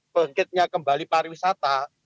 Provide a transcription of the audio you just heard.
pengkitnya kembali pariwisata